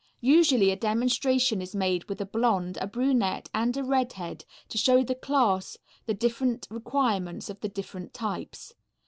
Usually a demonstration is made with a blonde, a brunette and a red head, to show the class the different requirements of the different types.